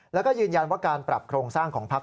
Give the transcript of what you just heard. แล้วก็ยืนยันว่าการปรับโครงสร้างของพัก